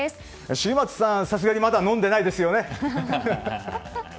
重松さん、さすがにまだ飲んでないですよね？